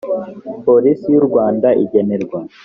polisi y u rwanda igenerwa